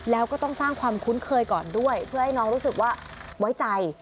แล้วก็ต้องสร้างความคุ้นเคยก่อนด้วยเพื่อให้น้องรู้สึกว่าไว้ใจ